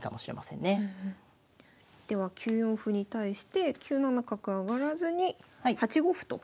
では９四歩に対して９七角上がらずに８五歩と。